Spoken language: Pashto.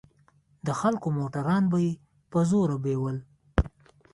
د خلکو موټران به يې په زوره بيول.